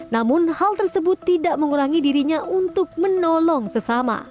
namun hal tersebut tidak mengurangi dirinya untuk menolong sesama